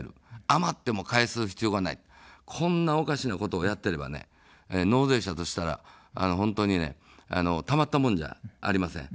余っても返す必要がない、こんなおかしなことをやってれば納税者としたら本当にたまったもんじゃありません。